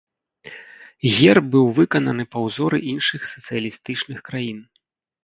Герб быў выкананы па ўзоры іншых сацыялістычных краін.